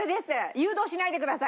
誘導しないでください！